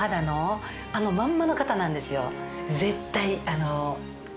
絶対。